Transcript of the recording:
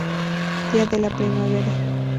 Día de la Primavera.